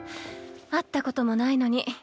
会ったこともないのに。